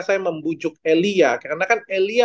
saya membujuk elia karena kan elia